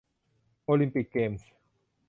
โอลิมปิกเกมส์